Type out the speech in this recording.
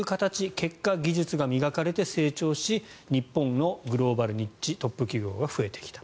結果、技術が磨かれて成長し日本のグローバルニッチトップ企業が増えてきた。